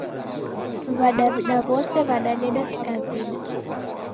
Wadawida wose wadadeda kidawida